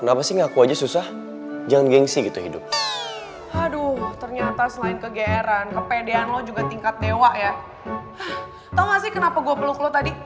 tau gak sih kenapa gue peluk lo tadi